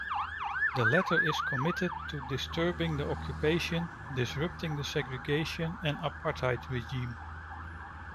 The latter is committed to 'disturbing the occupation, disrupting the segregation and apartheid regime'.